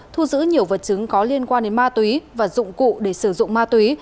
thu giữ nhiều vật chứng có liên quan đến ma túy và dụng cụ để sử dụng ma túy